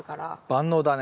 万能だね。